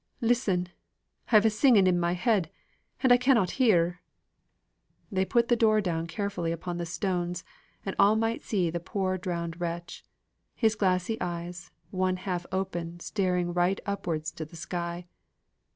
Listen! I've a singing in my head, and I cannot hear." They put the door down carefully upon the stones, and all might see the poor drowned wretch his glassy eyes, one half open, staring right upwards to the sky.